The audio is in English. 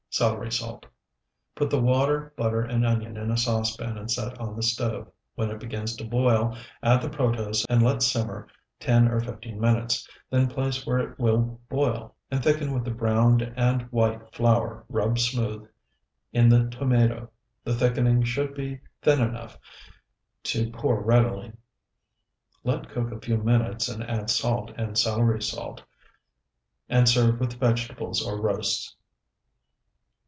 Celery salt. Put the water, butter, and onion in a saucepan and set on the stove; when it begins to boil, add the protose and let simmer ten or fifteen minutes, then place where it will boil, and thicken with the browned and white flour rubbed smooth in the tomato; the thickening should be thin enough to pour readily. Let cook a few minutes and add salt and celery salt, and serve with vegetables or roasts.